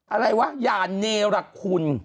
อะไรวะอย่าเนรคุณ